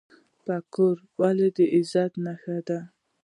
پګړۍ ولې د عزت نښه ده؟